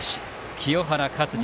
清原勝児